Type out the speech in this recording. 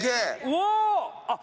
お！